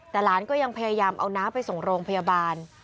แต่หลานก็ยังพยายามเอาน้าไปส่งโรงพยาบาล